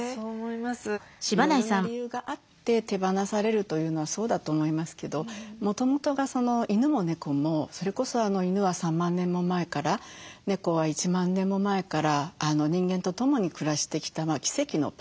いろいろな理由があって手放されるというのはそうだと思いますけどもともとが犬も猫もそれこそ犬は３万年も前から猫は１万年も前から人間とともに暮らしてきた奇跡のパートナーなんですよね。